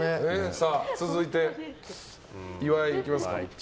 続いて、岩井行きますか。